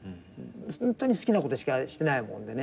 ホントに好きなことしかしてないもんでね。